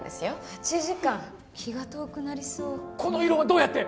８時間気が遠くなりそうこの色はどうやって？